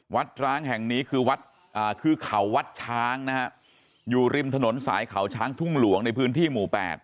ร้างแห่งนี้คือวัดคือเขาวัดช้างนะฮะอยู่ริมถนนสายเขาช้างทุ่งหลวงในพื้นที่หมู่๘